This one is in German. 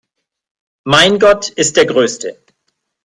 Mein Gott ist der größte!